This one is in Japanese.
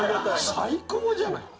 最高じゃない！